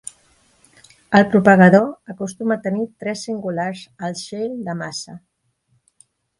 El propagador acostuma a tenir trets singulars al shell de massa.